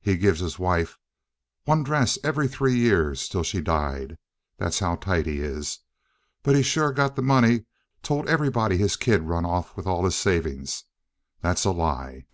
He gives his wife one dress every three years till she died. That's how tight he is. But he's sure got the money. Told everybody his kid run off with all his savings. That's a lie.